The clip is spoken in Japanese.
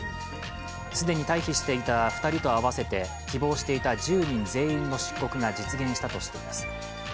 既に退避していた２人と合わせて希望していた１０人全員の出国が実現したとしています。